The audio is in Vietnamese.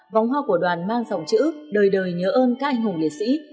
vòng hoa của đoàn mang dòng chữ đời đời nhớ ơn các anh hùng liệt sĩ